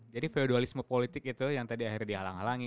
jadi feudalisme politik itu yang tadi akhirnya dihalang halangi